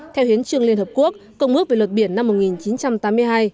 theo hiến trương liên hợp quốc công ước về luật biển năm một nghìn chín trăm tám mươi hai